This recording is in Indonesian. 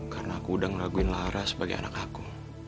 karena aku udah ngeraguin lara sebagai anak aku